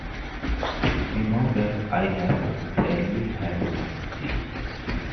You know that I have barely had my tea.